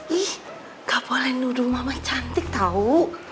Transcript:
ih nggak boleh nuduh mama cantik tahu